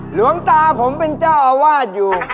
หลวงตาผมเป็นเจ้าอาวาสอยู่